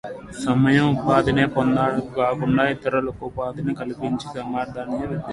స్వయం ఉపాధిని పొందటమే కాకుండా ఇతరులకూ ఉపాధిని కల్పించగల సామర్థ్యాన్ని విద్యార్థుల్లో కలిగించాలి